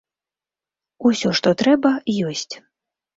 Усё, што трэба, ёсць.